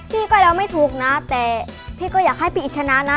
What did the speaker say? พี่ก็เล่าไม่ถูกนะแต่พี่ก็อยากให้ปีชนะนะ